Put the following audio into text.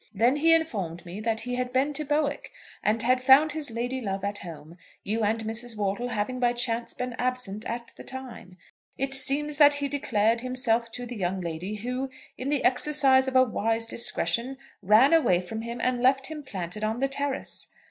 Then he informed me that he had been to Bowick, and had found his lady love at home, you and Mrs. Wortle having by chance been absent at the time. It seems that he declared himself to the young lady, who, in the exercise of a wise discretion, ran away from him and left him planted on the terrace.